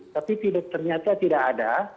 tapi ternyata tidak ada